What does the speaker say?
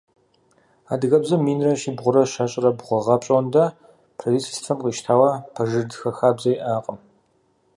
Адыгэбзэм минрэ щибгъурэ щэщӏрэ бгъу гъэ пщӏондэ правительствэм къищтауэ пэжырытхэ хабзэ иӏакъым.